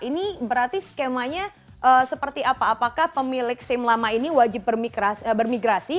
ini berarti skemanya seperti apa apakah pemilik sim lama ini wajib bermigrasi